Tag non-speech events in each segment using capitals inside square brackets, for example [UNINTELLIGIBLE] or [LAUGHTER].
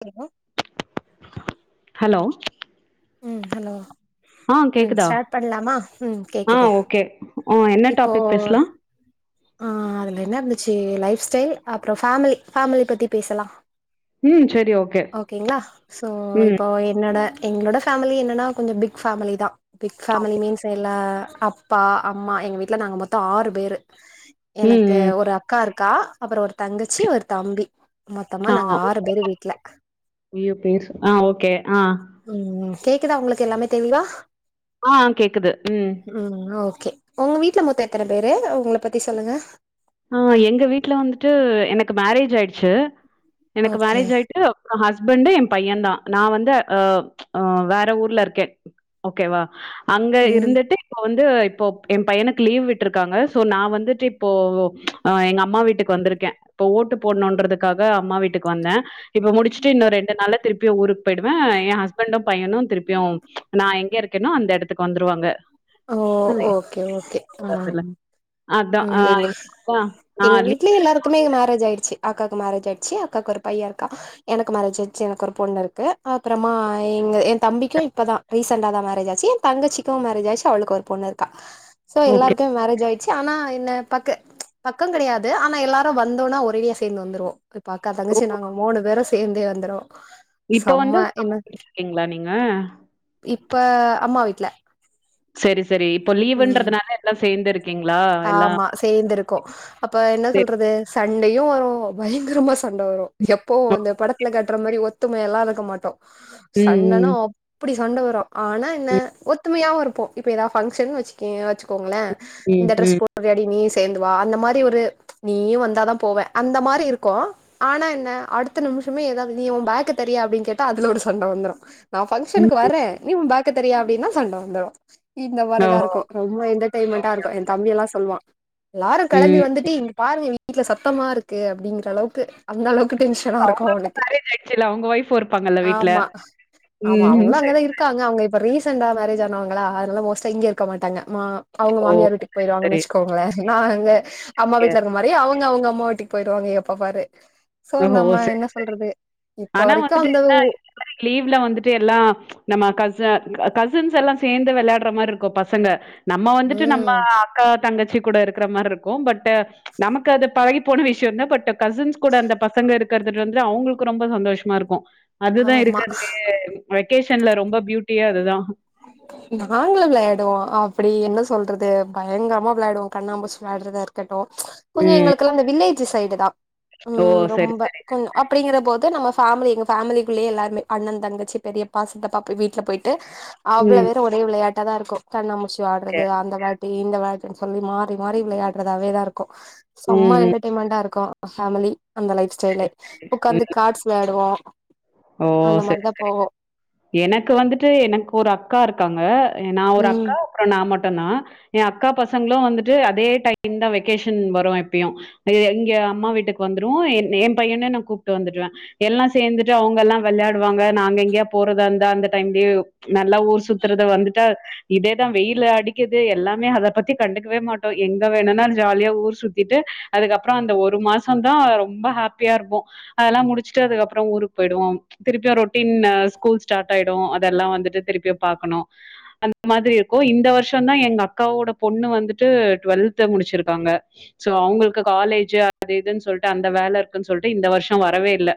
Hello hello ம் hello ஆ ம் கேக்குதா ஸ்டாட் பண்லாமா ம் கேக்குது ஓ என்ன இப்போ டாபிக் பேஸ்லா ஆ அதுல என்ன இருந்துச்சி லைஃப் ஸ்டைல் அப்றோ ஃபேமிலி ஃபேமிலி பத்தி பேசலா ம் சரி ஓகே ஓகேங்ளா சோ ம் இப்போ என்னோட எங்ளோட ஃபேமிலி என்னனா கொஞ்சோ பிக் ஃபேமிலி தா பிக் ஃபேமிலி மீன்ஸ் எல்லா அப்பா அம்மா எங்க வீட்ல நாங்க மொத்தோ ஆறு பேரு ம் எனக்கு ம் ஒரு அக்காருக் கா அப்றோ ஒரு தங்கச்சி ஒரு தம்பி மொத்தமா ஆ நாங்க ஆறு பேரு வீட்ல ஐயோ பேசு ஆ ஓகே ஆ ம் கேக்குதா உங்களுக்கு எல்லாமே தெளிவா ஆ கேக்குது ம் கே உங்க வீட்ல மொத்த எத்தன பேரு ஒங்கல பத்தி சொல்லுங்க ஆ எங்க வீட்ல வந்துட்டு எனக்கு மேரேஜ் ஆயிடுச்சு எனக்கு ஓகே மேரேஜ் ஆயிட்டு அப்றோ ஹஸ் பண்டு எ பைய தா நா வந்து அ வேற ஊர்லருக்கே ஓகேவா அங்க ம் இருந்துட்டு இப்போ வந்து இப்போ எ பையனுக்கு லீவ் விட்டுருக்காங்க சோ நா வந்துட் இப்போ ஆ எங்க அம்மா வீட்டுக் வந்திருக்கே இப்ப ஓட்டு போட்னுன்றதுக்காக அம்மா வீட் டுக் வந்தே இப்ப முடிச்ட்டு இன்னொரு ரெண்டு நாள திருப்பியு ஊருக்கு போய்டுவே எ ஹஸ்பண்டு பையனு திருப்பியு நா எங்க இருக்கேனோ அந்த எடத்துக் வந்துருவாங்க ஓ ஓகே ஓகே ஆ அதான். ம் அ எங்க அதான். ஆ எங்க லீவ் வீட்லயே எல்லாருக்குமே மேரேஜ் ஆயிடுச்சி அக்காக்கு மேரேஜ் ஆய்ட்ச்சி அக்காக்கு ஒரு பையருக்கா எனக்கு மேரேஜ் ஆச்சி எனக்கு ஒரு பொண்ருக்கு அப்புறமா ங்க எ தம்பிக்கு இப்பதா ரீசன்டா தா மேரேஜ் ஆச்சி எ தங்கச்சிக்கு மேரேஜ் ஆச் அவளுக்கு ஒரு பொண்ருக்கா சோ ஓகே. எல்லாருக்மே மேரேஜ் ஆயிட்ச்சு ஆனா என்ன பக்க ப்ச் பக்கங் கெடையாது ஆனா எல்லாரு வந்தோனா ஒரேடியா சேந்து வந்துருவோ இப் அக்கா ஓ! தங்கச்சி நாங்க மூணு பேரு சேந்தே வந்துருவோ இப்போ வந்து செம்ம என்ன இருக்கீங்களா நீங்க? இப்ப அம்மா வீட்ல சரி, சரி. இப்போ ம் லீவுன்றதுனால எல்லாம் சேர்ந்து இருக்கீங்களா? எல்லாம் ஆமா சேந்திருக்கோ அப்ப என்ன சரி. சொல்றது சண்டையு வரு பயங்கரமா சண்ட வரு எப்போ இந்த படத்துல கட்ற மாரி ஒ த்தும எல்லா இருக்க மாட்டோ சண்டனா ம், அப்டி சண்ட வரு ஆனா என்ன ம். ஒத்துமையாவு இருப்போ இப்ப ஏதா ஃபங்க்ஷன் வச்சிக்கியே வச்சு கோங்ளே ம், இந்த ம், டிரஸ் ம். போட்ரியாடி நீ சேந்துவா அந்த மாரி ஒரு ப்ச் நீயு வந்தாதா போவே அந்த மாரி இருக்கு ஆனா என்ன அடுத்த நிம் சுமே ஏதாவது நீ உன் பேக தரியா அப்படின்னு கேட்டா அதுல ஒரு சண்டை வந்துடும் நான் ம். பங்க்ஷனுக்கு வரேன் நீ உன் பேக தரிய அப்படின்னா சண்டை வந்துரும் இந்த த ஓஹோ! இருக்கும் ரொம்ப என்டர்டெயின் மெண்ட்டா ஓகே, இருக்கும் ஓகே. என் தம்பிய எல்லாம் சொல்லுவான் எல்லாரும் கிளம்பி ம். வந்துட்டு இங்க பாருங்க வீட்ல சத்தமா இருக்கு அப்படிங்கற அளவுக்கு அந்த அளவுக்கு டென்ஷனா இருக்கும் அவங்களுக்கும் அவனுக்கு மேரேஜ் ஆயிடுச்சுல்ல, அவங்க ஒய்ஃபும் இருப்பாங்கல்ல வீட்ல. ஆமா ஆமா ம். அவங்களும் சரி. அங்கதான் இருக்காங்க அவங்க இப்ப ரீசண்டா மேரேஜ் ஆனவங்களா அதனால மொஸ்ட்டா இங்கயே இருக்க மாட்டாங்க ஆமா அவங்க ஓ! மாமியார் வீட்டுக்கு போயிருவாங்கன்னு சரி. வெச்சுக்கோங்களேன் நான் அங்க அம்மா ஓகே. வீட்ல இருக்கற மாறி அவங்க அவங்க அம்மா வீட்டுக்கு போயிருவாங்க எப்ப பாரு சோ ஓஹோ! நம்ம சரி. என்ன சொல்றது இப்ப ஆனா வரைக்கு வந்துட்டு அந்த என்ன இந்த மாதிரி லீவ்ல வந்துட்டு எல்லாம் நம்ம கச கசின்ஸ் எல்லாம் சேந்து வெளையாட்ற மாதிரி இருக்கும் பசங்க நம்ம வந்துட்டு நம்ம ம். அக்கா தங்கச்சி கூட இருக்கற மாறி இருக்கும் பட் நமக்கு அது பழகி போன விஷயம் இல்ல பட் கசின்ஸ் கூட அந்த பசங்க இருக்கிறது வந்துட்டு அவங்களுக்கு ரொம்ப சந்தோஷமா இருக்கும் அதுதான் ஆமா. இருக்கிறதுலயே வெகேஷன்ல ரொம்ப பியூட்டியே அதுதான் நாங்களும் வெளையாடுவோம் அப்படி என்ன சொல்றது பயங்கரமா வெளையாடுவோம் கண்ணாம்பூச்சு விளையாடறதா இருக்கட்டும் கொஞ்சம் ம். எங்களுக்கெல்லாம் அந்த வில்லேஜ் சைடு தான் ஓ! உம் சரி, ரொம்ப சரி. கொஞ்சம் அப்படிங்கற போது போது நம்ம ஃபேம்லி எங்க ஃபேமிலிக்குள்ளயே எல்லாருமே அண்ணன் தங்கச்சி பெரியப்பா சித்தப்பா வீட்ல போயிட்டு அவ்ளோ ம். பேரும் ஒரே விளையாட்டா தான் இருக்கும் கண்ண மூச்சி ஓகே. ஆடுறது அந்த இந்த வெளையாட்டுன்னு சொல்லி மாறி மாறி வெளையாடறதாவேதான் இருக்கும் ம், செம்மா ம். என்டர்டெயன்மெண்டா இருக்கும் ஃபேமிலி அந்த லைஃப் ஸ்டைலே சரி, சரி. உட்காந்து ம். கார்ட்ஸ் விளையாடுவோம் ஓ செரி செரி எனக்கு வந்துட்டு எனக்கு ஒரு அக்கா இருக்காங்க நா ஒரு ம் அக்கா அப்புறம் நான் மட்டும் னா என் அக்கா பசங்களும் வந்துட்டு அதே டைம் தான் வெக்கேஷன் வரும் எப்பயும் இங்க அம்மா வீட்டுக்கு வந்துருவோம் என் பையன நான் கூப்பிட்டு வந்துடுவேன் எல்லாம் சேர்ந்துட்டு அவங்க எல்லாம் வெளையாடுவாங்க நாங்க எங்கயா போறதா இருந்தா அந்த டைம்லயே நல்லா ஊர் சுத்துறத வந்துட்டு இதேதான் வெயில அடிக்குது எல்லாமே அதை பத்தி கண்டுக்கவே மாட்டோம் எங்க வேணும்னா ஜாலியா ஊர் சுத்தி டு அதுக்கப்புறம் அந்த ஒரு மாசம் தான் ரொம்ப ஹாப்பியா இருப்போம் அதெல்லாம் முடிச்சுட்டு அதுக்கப்புறம் ஒரு போய்டுவோம் திருப்பி ரொட்டீன் ஸ்கூல் ஸ்டார்ட் ஆயிடும் அதெல்லாம் வந்துட்டு திருப்பி பாக்கணும் அந்த மாதிரி இருக்கும் இந்த வருஷம் தான் எங்க அக்காவோட பொண்ணு வந்துட்டு டுவெல்த் முடிச்சிருக்காங்க சோ அவங்களுக்கு காலேஜ் அது எதுன்னு சொல்லிட்டு அந்த வேலை இருக்குன்னு சொல்லிட்டு இந்த வருஷம் வரவே இல்ல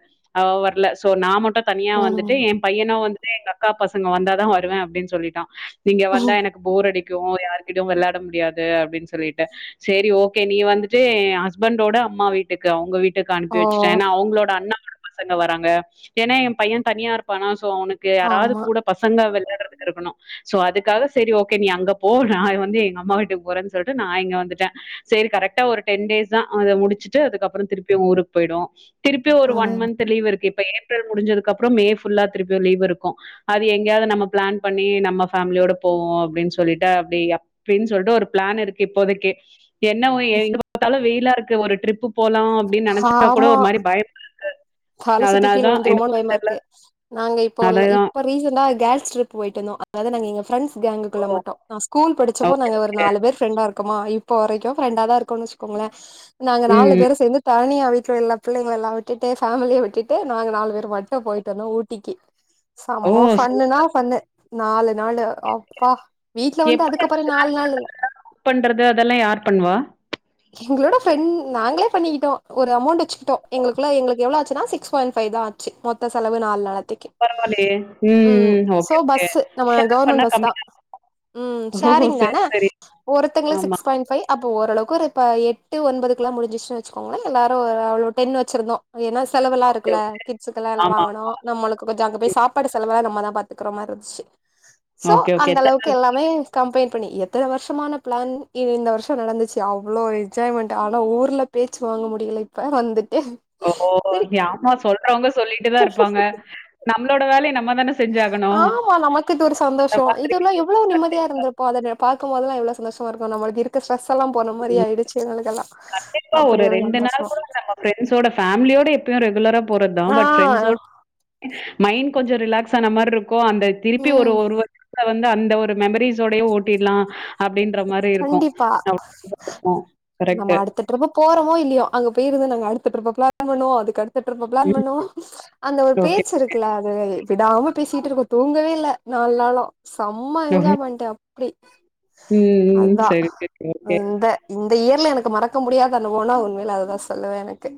இல்ல சோ நான் மட்டும் தனியா ம் வந்துட்டு என் பையனும் வந்து எங்க அக்கா பசங்க வந்தாதான் வருவேன் அப்படின்னு சொல்லிட்டான் நீங்க வந்தா எனக்கு போர் அடிக் கும் யாருகிட்டயும் வெளயாட முடியாது அப்படின்னு சொல்லிட்டு செரி ஓகே நீ வந்துட்டு என்‌ ஹஸ்பண்டோட அம்மா வீட்டுக்கு அவங்க வீட்டு கா அனுப்பி ஓ வச்சுட்டேன் ஏன்னா அவங்களோட அண்ணாவோட பசங்க வராங்க ஏன்னா என் பையன் தனியா இருப்பானா சோ அவனுக்கு யாராவது ஆமா கூட பசங்கா வெளையாட துக்கு இருக்கணும் சோ அதுக்காக சரி ஓகே நீ அங்க போ நான் வந்து எங்க அம்மா வீட்டுக்கு போறேன்னு சொல்லிட்டு நான் இங்க வந்துட்டு டேன் செரி கரெக்டா ஒரு டென் டேஸ் தான் அத முடிச்சுட்டு அதுக்கப்புறம் திருப்பி ஊருக்கு போய்டுவோம் திருப்பி ஒரு ஒன் ம் மந்த் லவு இருக்கு ஏப்ரல் முடிஞ்சதுக்கு அப்புறம் மே புல்லா திருப்பியும் லீவ் இருக்கும் அது எங்கயாவது நம்ம பிளான் பண்ணி நம்ம ஃபேமிலி யோட போவோம் அப்படின்னு சொல்லிட்டு அப்படி அப்படின்னு சொல்லிட்டு ஒரு பிளான் இருக்கு இப்போதைக்கு என்ன எங்க பார்த்தாலும் வெயிலா இருக்கு ஒரு ட்ரிப்பு போலாம் அப்படின்னு நினைச்சா கூட ஆமா ஒரு மாறி பயமா இருக்கு தல சுத்தி கீழ விழுந்திடுவோம்னு பயமா இருக்கு நாங்க இப்ப உள்ள அதேதா இப்ப ரீசெண்டா கேர்ல்ஸ் ட்ரிப் போயிட்டு வந்தோம் அதாவது எங்க ஃப்ரண்டஸ் ஓ கேங்குக்குள்ள மட்டும் நான் ஸ்கூல் படிச்சப்போ ஓகே நாங்க ஒரு ஓகே நாலு பேர் ஃப்ரெண்டா இருக்கோமா இப்போ வரைக்கும் ஃபிரெண்டா தான் இருக்கும்னு வச்சுக்கோங்களேன் நாங்க நாலு ம் பேரும் சேர்ந்து தனியா வீட்டுல எல்லா பிள்ளைங்கள எல்லாம் விட்டு ஃபேமிலியை விட்டுட்டு நாங்க நாலு பேர் மட்டும் போயிட்டு வந்தோம் ஊட்டிக்கு ஓ செம்ம சூ ஃபன்னுனா ஃபன்னு நாலு நாளு அப்பா வீட்டுல வந்து எப்படி அந்த அதுக்கப்புறம் நாலு குக் நாள் இ பண்றது அதெல்லாம் யார் பண்ணுவா? எங்களோட ஃப்ரெண்ட் நாங்களே பண்ணிக்கிட்டோம் ஒரு அமௌண்ட் வச்சுகிட்டோம் எங்களுக்குள்ள எங்களுக்கு எவ்ளோ ஆச்சுனா சிக்ஸ் பாய்ண்ட் பைவ தான் ஆச்சு மொத்த செலவு நால் நாள்து டிக்கே பரவாயில்லயே! ம் சோ ஓகே, ஓகே. பஸ்ஸு நம்ம ஷேர் பண்ணா கவர்மெண்ட் பஸ் தா கம்மியா ம் ஓ! சரி, ஷேரிங்தான சரி. ஒருத்தங்களு ஆமா. சிக்ஸ் பாயிண்ட் பைவ் அப்போ ஓரளவு க்கு இப்ப எட்டு ஒன்பதுக்கெல்லா முடிஞ்சுருச்சுன்னு வச்சுோங்களே எல்லாரு அவ்வளோ டென் வச்சிருந்தோ ஏன்னா செலவெல்லா ஓகே, இருக்குல ஓகே. கிட்ஸ்க்கெல்லா எல்லா ஆமா. வாங்கணு நம்மளுக்கு கொஞ்சோ அங்க போய் ம். சாப்பாடு செலவல்லா நம்ம தா பாத்துக்கற மாரி இருந்துச்சு சோ ஓகே, ஓகே. அந்த எத்தன அளவுக்கு நாள் எல்லாமே கம்பைன் பண்ணி எத்தன வர்ஷமான பிளான் இ இந்த வர்ஷோ நடந்துச்சு அவ்ளோ என்ஜாய்மெண்ட் ஆனா ஊர்ல பேச்சு வா ங்க முடியல இப்ப வந்துட்டு ஓ ஓ சரி ஏமா சொல்றவங்க சொல்லிட்டுதா இருப்பாங்க ம். நம்மளோட வேலைய நம் ஆமா நமக்கு இது ஒரு சந்தோஷ அந்த மாதிரி. இதுலா எவ்ளோ நிம்மதியா கண்டிப் இருந்திருப்போ அதுல பாக்கும்போதுலா எவ்ளோ சந்தோஷமா இருக்கு நம்மளுக்கு இருக்க ஸ்ட்ரெஸ்யெல்லா போன மாரி ஆயிடுச்சு எங்களுக் எல்லா கண்டிப்பா ஒரு ரெண்டு நாள் கூட நம்ம ஃப்ரண்ட்ஸோட ஃபேமிலியோட எப்பயு ரெகுலரா போறது தா ஆ பட் ஃப்ரெண்ட்ஸோட மைண்ட் கொஞ்சோ ரிலாக்ஸ் ஆன மாரி இருக் கு அந்த திருப்பி ஒரு ம் ஒரு வர்ஷத்துல வந்து அந்த ஒரு மெமரிஸ்சோடையே ஓட்டிற்லா அப்டின்ற மாரி இருக்கோ கண்டிப்பா. [INAUDIBLE] நம்ம அடுத்த டிரிப் போறமோ இல்லியோ அங்க போயிருங்க நாங்க அடுத்த டிரிப்ப பிளான் பன்னுவோ அதுக்கடுத் த ட்ரிப் பிளான் ம். பண்ணுவோ அந்த ஒரு ஓகே. பேச்சு இருக்குல்ல அது விடாம பேசிட்டு இருப்போ தூங்கவே இல்ல நாள் நாளு செம்ம என்ஜாய்மென்ட்டு அப்டி ம், ம். அதா சரி, சரி. ஓகே. இந்த இ இந்த இயர்ல எனக்கு மறக்க முடியாது அனுபவோம்னா உண்மையில அதுதா சொல்லுவே எனக்கு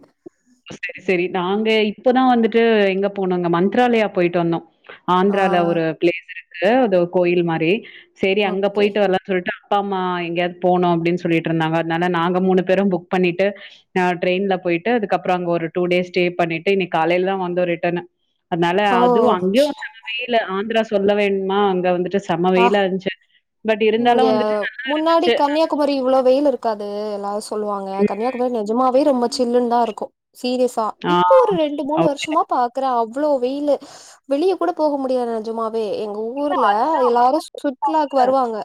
செரி செரி நாங்க இப்பதா வந்துட்டு எங்க போனோங்க மந்த்ராலயா போயிட்டு வந்தோ ஆ ஆந்திரலா ஒரு பிளேஸ் இருக்கு அது கோயில் மாரி செரி அங்க ஓகே. போயிட்டு வரலாம்னு சொல்லிட்டு அப்பா அம்மா எங்கேயாவது போணு அப்டின்னு சொல்லிட்டுருந்தாங்க அதனால நாங்க மூணு பேரு புக் பண்ணிட்டு அ ட்ரெயின்ல போயிட்டு அதுக் அதுக்கப்பறோ அங்க ஒரு டூ டேஸ் ஸ்டே பண்ணிட்டு இன்னைக்கி காலைல தா வந்தோ ரிட்டனு அதனால ஓ! அதுவு அங்கயு சமவெயிலு ஆந்திரா சொல்ல வேணுமா அங்க வந்துட்டு ஆ செமவெயிலா இருந்துச்சு பட் இங்க இருந்தாலும் வந்துட்டு முன்னாடி இருந்துச்சு. கன்னியாகுமரி இவ்ளோ வெயிலு இருக்காது எல்லாரு சொல்லுவாங்க ம். கன்னியாகுமரி நிஜமாவே ரொம்ப சில்லு தா இருக்கு சீரியஸா ஆ. இப்போ ஒரு ரெண்டு மூணு ஓகே. வர்ஷமா பாக்குறே அவ் இவ்வளோ வெயிலு வெளிய கூட போக முடியாது நெஜமாவே எங்க ஊர்ல அதுதான் எல்லாரு சுற்றுலாக்கு வருவாங்க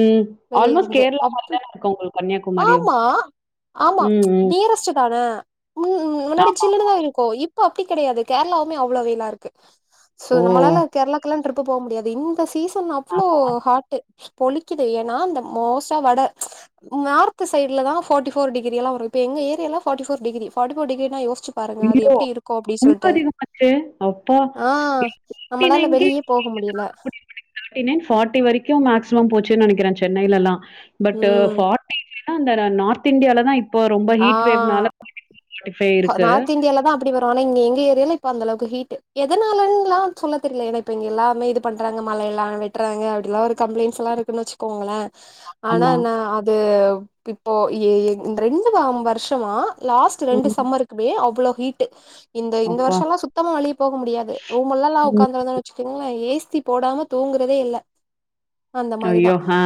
ம். வெளிய ஆல்மோஸ்ட் இருந்து கேரளா மாரி அப்பு தான இருக்கும் உங்களுக்கு கன்னியாகுமாரியும். ஆமா ஆமா ம், ம். டியரஸ்ட்டு தானே ம் ம் முன்னாடி ஆமாமா. சில்லுதா இருக்கு இப்ப அப்டி கெடையாது கேரளாவுமே அவ்ளோ வெயிலா இருக்கு சோ ஓ! நம்மளால கேரளாக்குல்லா ட்ரிப்பு போக முடியாது இந்த சீசன் அவ்ளோ ஆமா. ஹாட்டு பொழிக்கி து ஏன்னா இந்த மோஸ்டா வட நார்த் சைட்ல தா ஃபார்டி ஃபோர் டிகிரியெல்லா வரு இப்ப எங்க ஏரியால forty four degree forty four டிகிரினா யோஸ் சிச்சி பாருங்க அது ஐயோ! எப்டி இருக்கு அப்டி ரொம்ப சொல்ட்டு அதிகமாச்சே! அப்பா! ஆ நம்மளால வெளிய் போ க முடியில தேர்டிநைன் ஃபார்ட்டி வரைக்கு மேக்சிம போச் சு நெனைக்கிறே சென்னையிலா எல்லா பட் ம் ஃபார்டிநைன்னா அந்தர நார்த் இந்தியால தா இப் போ ரொம்ப ஹீட் வேவ்னால ஹா இருக்கு. நார்த் இன்டியால தா அப்டி வரு ஆனா இங்க எங்க ஏரியால இப்ப அந்தளவுக்கு ஹீட்டு எதனாலன்ல்லா சொல்ல தெர்ல என இப்ப இங்க எல்லாமே இது பண்றாங்க மலையெல்லா வெட்றாங்க அப்டிலா ஒரு கம்ப்ளைண்ட் எல் லா இருக்குன்னு வச்சுக்கோங்களே ஆனா ஆமா. இன்ன அது இப்போ இ இ ரெண்டு வ வர்ஷமா லாஸ்ட் ரெண்டு ம். மே அவ்ளோ ஹீட்டு இந்த இந்த அப்பா! வர்ஷோலா சுத்தமா வெளியே போக முடியாது ரூமெல்லா ம். உக்காந்து இருந்தோன் வச்சுக்கோங்களே ஏ சி போடாம தூங்குரதே இல்ல அந்த மாரிதா ஐயோ! ஆ.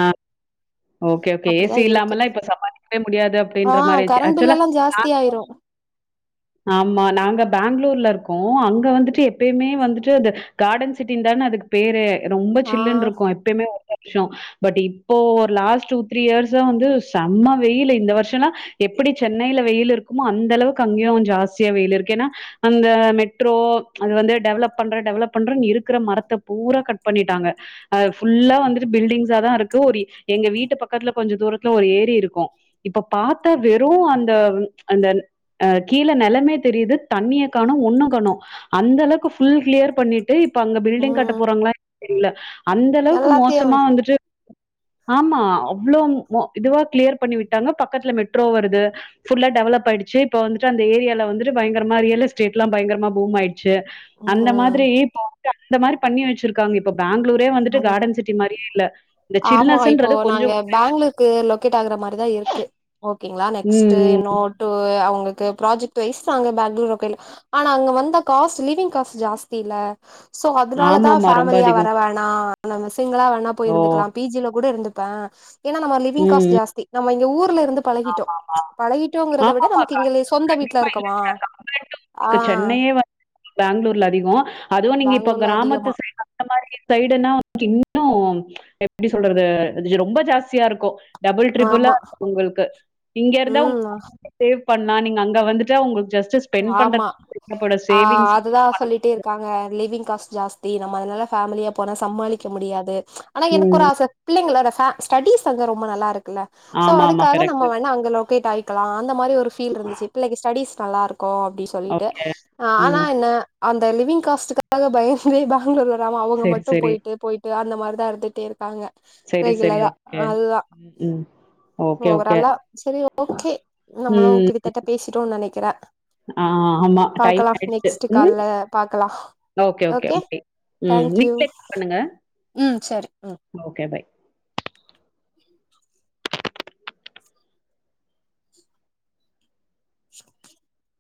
Okay, okay. அப்டிதா ஏசி இருக்கு இல்லாமலாம் இப்ப சமாளிக்கவே முடியாது ஆ அப்டின்ற மாரி ஆச்சு. கரண்ட் ஆக்சுவலா பில்லெல்லா ஜாஸ்தி ஆயிரு [INAUDIBLE] ஆமா நாங்க பெங்களூர்ல இருக்கோ அங்க வந்துட்டு எப்பயுமே வந்துட்டு அ கார்டன் சிட்டின் தானே அதுக்கு பேரு ரொம்ப ஆ, சில்லுன்னுன் இருக்கு எப்பயுமே ஒரு வருஷ பட் இப்போ ஒரு லாஸ்ட் டூ த்ரீ இயர்ஸ்சா வந்து செம்ம வெயில் இந்த வருஷலா எப்படி சென்னையில வெயில் இருக்குமோ அந்த அளவுக்கு அங்கயும் கொஞ்சம் ஜாஸ்தியாவே இருக்கு அந்த மெட்ரோ அது வந்து டெவலப் பண்ற டெவலப் பண்ற இருக்கிற மரத்த பூரா கட் பண்ணிட்டாங்க அ புல்லா வந்துட்டு பில்டிங்ஸா தான் இருக்கு ஒரு எங்க வீட்டு பக்கத்துல கொஞ்சம் தூரத்துல ஒரு ஏரி இருக்கு இப்ப பாத்தா வெறு அந்த அந்த கீழே நிலமே தெரியுது தண்ணிய கானோ ஒண்ணு கானோ அந்த அளவுக்கு புல் கிளியர் பண்ணி டு இப்ப அங்க பில்டிங் கட்ட ம். போறாங்களா தெரில அந்த அளவுக்கு எல்லாத்தையும் மோசமா வந்துட்டு ஆமா அவ்ளோ இதுவா கிளியர் பண்ணி விட்டாங்க பக்கத்துல மெட்ரோ வருது புல்லா டெவலப் ஆயிடிச்ச இப்ப வந்துட்டு அந்த ஏரியால வந்துட்டு பயங்கரமா ரியல் எஸ்டேட்லா பயங்கரமா பூம் ஆயி டுச்சு அந்த ம். மாதிரி அந்த மாதிரி பண்ணி வச்சிருக்காங்க இப்ப பேங்ளூரே வந்துட்டு அது கார்டன் சிட்டி மாதிரியே இல்ல இந்த ஆமா இப்ப சில்னஸ்ன்றது நாங்க கொஞ்சம் பேங்களூருக்கு லொகேட் ஆகுற மாரி தா இருக்கு ஓகேங்ளா நெக்ஸ்ட் ம். என்னோட்டு அவுங்க ப்ராஜெக்டு வஸ் வாங்க பேங்ளூர்க்கு ஆனா அங்க வந்த காஸ் லிவிங் காஸ் ஜாஸ்தி இல்ல சோ அதனால தான் ஆமாமா ரொம்ப பேமிலியா அதிகம். வரவே ஆ நம்ம சிங்கிளா வேணா போய் ஓ! இருந்துக்கலா பிஜில கூட இருந்துப்பே ஏன்னா நம்ம லிவிங் ம். காஸ் ம். ஜாஸ்தி நம்ம இங்க ஊர்ல இருந்து பழகிட்டோ ஆமாமா பழகிட்டோங்கறத விட ஆமாமா நமக்கு கண்டிப்பா இங்க சொந்த வீட்ல இருக்கமா ஆ [UNINTELLIGIBLE] சென்னையே வந்து பேங்ளூர்ல அதிகோ அதுவு நீங்க இப்ப பேங்களூர்ல கிராமத்து அதிகமா சைடு அ மாதிரி சைடுனா இன்னு எப்டி சொல்றது ரொம்ப ஜாஸ்தியா இருக்கு டபுள் ட்ரிபிளா ஆமா உங்களுக்கு இங்க இருந்தா உங்க ம் பண்லாம் நீங்க அங்க வந்துட்டு உங்களுக்கு ஜஸ்ட் ஸ்பெண்ட் ஆமா பண்றதுக்கு தேவைப்படுற ஆ சேவிங்ஸ் அதுதான் சொல்லிட்டே இருக்காங்க லிவிங் காஸ் ஜாஸ்தி நம்ம அதனால பேமிலியா போனா சமாளிக்க முடியாது ஆனா எனக்கு ஒரு ம். ஆசை பிள்ளைங்கள் ஸ்டடிஸ் வந்து ரொம்ப நல்லா இருக்குல்ல சோ ஆமாமா. அதுக்காக நம்ம கரெக்ட்டு. வோணா அங்க லொகேட் ஆயிட்டு இருக்கலா அந்த மாதிரி ஒரு பீல் இருந்துச்சு பிள்ளைக்கு ஸ்டடிஸ் நல்லா இருக்கு அப்டின் சொல்லிட்டு ஓகே. ஆனா ம். என்ன அந்த லிவிங் காஸ்டுக்காக பயந்து பேங்களூர் வராம அவங்க சரி, மட்டும் சரி. போயிட்டு போயிட்டு அந்த மாரி ரொம்ப அழுத்துட்டே இருப்பாங்க சரி, சரி. ரெகுலரா ஓகே. அதுதா ம், ம். ஓகே, ஓவரா ஓகே. ஆலா சேரி ஓகே நம்மளு ம். கிட்டத்தட்ட பேசிடடோனு நேனை ஆ ஆமா டைம் ஆயிடுச்சு நெக்ஸ்ட் உம் கால்ல பாக்கலா ஓகே ஓகே ஓகே உம் [UNINTELLIGIBLE] பண்ணுங்க உம் சரி உம் ஓகே பை. [INAUDIBLE]